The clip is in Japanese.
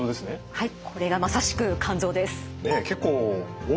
はい。